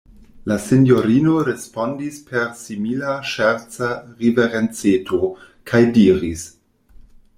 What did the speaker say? La sinjorino respondis per simila ŝerca riverenceto, kaj diris: